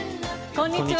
こんにちは。